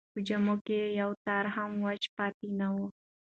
په جامو کې یې یو تار هم وچ پاتې نه و.